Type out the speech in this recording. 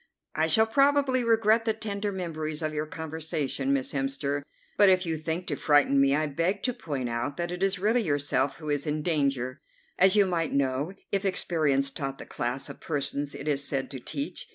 "I shall probably regret the tender memories of your conversation, Miss Hemster; but if you think to frighten me I beg to point out that it is really yourself who is in danger, as you might know if experience taught the class of persons it is said to teach.